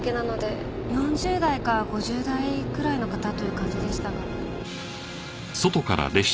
４０代か５０代くらいの方という感じでしたが。